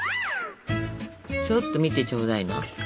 ちょっと見てちょうだいな。